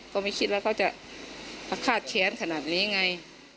ก็ไม่คิดว่าเขาจะอาฆาตแค้นขนาดนี้ไง